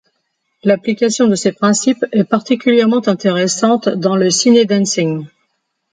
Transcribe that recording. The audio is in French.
L'application de ses principes est particulièrement intéressante dans le ciné-dancing.